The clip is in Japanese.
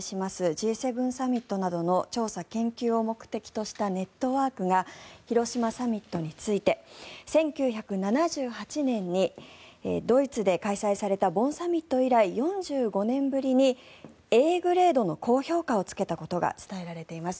Ｇ７サミットなどの調査研究を目的としたネットワークが広島サミットについて１９７８年にドイツで開催されたボンサミット以来４５年ぶりにＡグレードの高評価をつけたことが伝えられています。